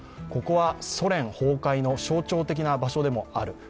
ここはソ連崩壊の象徴的な場所でもある。